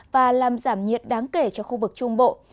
và làm giảm nhiệt đáng kể cho khu vực trung bộ